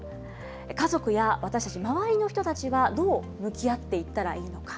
家族や私たち、周りの人たちはどう向き合っていったらいいのか。